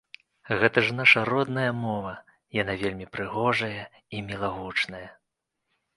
Гэта ж нашая родная мова, яна вельмі прыгожая і мілагучная.